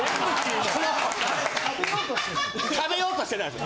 食べようとしてないです。